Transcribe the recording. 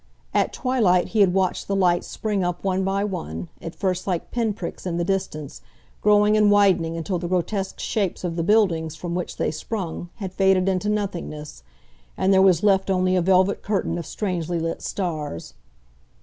At twilight he had watched the lights spring up one by one, at first like pin pricks in the distance, growing and widening until the grotesque shapes of the buildings from which they sprung had faded into nothingness, and there was left only a velvet curtain of strangely lit stars.